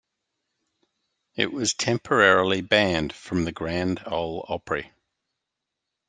It was temporarily banned from the Grand Ole Opry.